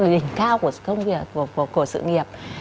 đỉnh cao của công việc của sự nghiệp